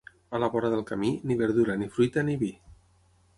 A la vora del camí, ni verdura, ni fruita, ni vi.